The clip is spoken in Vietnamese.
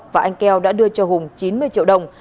và anh keo đã đưa cho hùng chín mươi triệu đồng